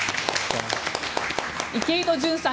池井戸潤さん